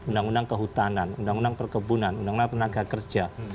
undang undang kehutanan undang undang perkebunan undang undang tenaga kerja